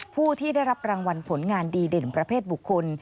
ผู้ที่ได้รับรางวัลผลงานดีเด่นประเภทบุคคล